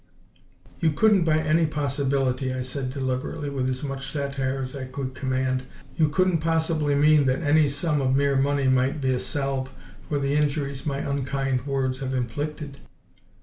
"You couldn't by any possibility," I said deliberately, with as much satire as I could command, "you couldn't possibly mean that any sum of mere money might be a salve for the injuries my unkind words have inflicted?"